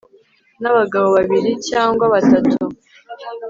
n abagabo babiri cyangwa batatu